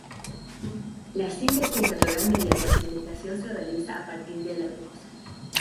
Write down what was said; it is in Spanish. La síntesis natural mediante fermentación se realiza a partir de la glucosa.